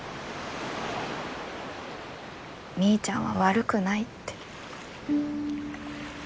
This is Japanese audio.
みーちゃんは悪くないって。